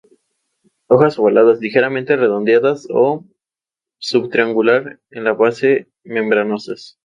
La segunda industria de la parroquia es el turismo.